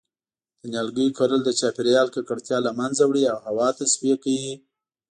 د نیالګیو کرل د چاپیریال ککړتیا له منځه وړی او هوا تصفیه کوی